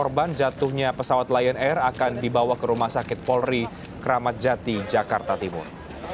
penyakit jatuhnya pesawat lion air akan dibawa ke rumah sakit polri kramatjati jakarta timur